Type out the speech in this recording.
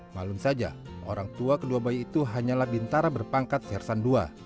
malum saja orang tua kedua bayi itu hanyalah bintara berpangkat siarsan dua